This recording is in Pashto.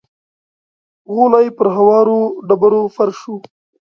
غولی پر هوارو ډبرو فرش و.